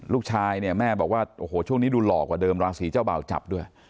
ลูกชายเนี่ยแม่บอกว่าโอ้โหช่วงนี้ดูหล่อกว่าเดิมราศีเจ้าบ่าวจับด้วย